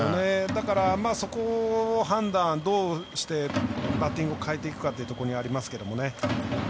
だから、そこの判断をどうしてバッティングを変えていくかということですね。